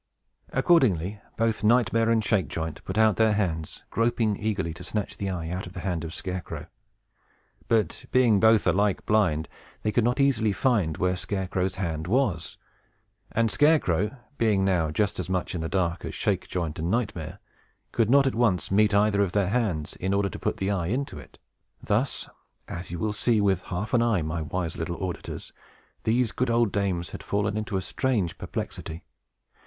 Accordingly, both Nightmare and Shakejoint put out their hands, groping eagerly to snatch the eye out of the hand of Scarecrow. But, being both alike blind, they could not easily find where Scarecrow's hand was; and Scarecrow, being now just as much in the dark as Shakejoint and Nightmare, could not at once meet either of their hands, in order to put the eye into it. Thus (as you will see, with half an eye, my wise little auditors), these good old dames had fallen into a strange perplexity.